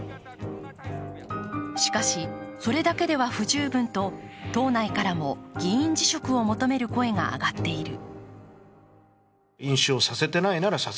しかし、それだけでは不十分と党内からも議員辞職を求める声が上がっている。